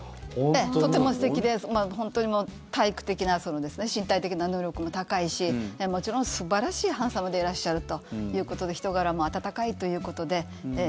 とても素敵で本当に体育的な身体的な能力も高いしもちろん素晴らしいハンサムでいらっしゃるということで人柄も温かいということで。